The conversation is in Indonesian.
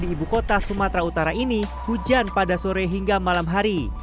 di ibu kota sumatera utara ini hujan pada sore hingga malam hari